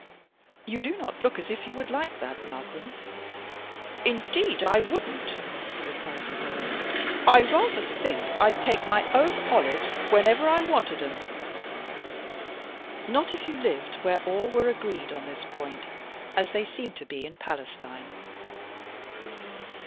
You do not look as if you would like that, Malcolm." [Illustration: OLIVE TREE. GATHERING THE FRUIT.] "Indeed I wouldn't!" replied the boy. "I rather think I'd take my own olives whenever I wanted 'em." "Not if you lived where all were agreed on this point, as they seem to be in Palestine.